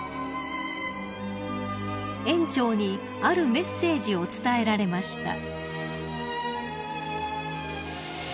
［園長にあるメッセージを伝えられました］